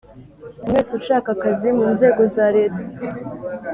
umuntu wese ushaka akazi mu nzego za leta